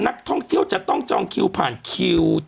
นักท่องเที่ยวจะต้องจองคิวผ่านคิว